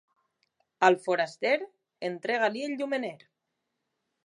Al foraster, entrega-li el llumener.